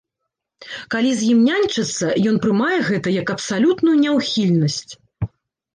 Калі з ім няньчацца, ён прымае гэта як абсалютную няўхільнасць.